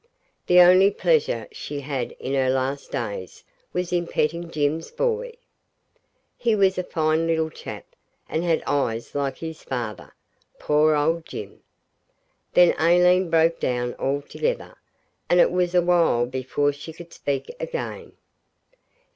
The only pleasure she had in her last days was in petting Jim's boy. He was a fine little chap, and had eyes like his father, poor old Jim! Then Aileen broke down altogether, and it was a while before she could speak again.